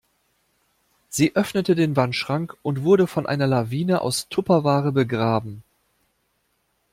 Sie öffnete den Wandschrank und wurde von einer Lawine aus Tupperware begraben.